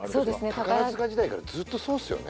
宝塚時代からずっとそうですよね？